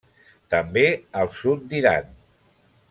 També al sud d'Iran.